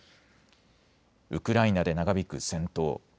ウクライナで長引く戦闘。